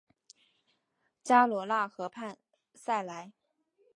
加罗讷河畔萨莱。